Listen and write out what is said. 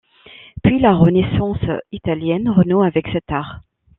Puis la Renaissance italienne renoue avec cet art.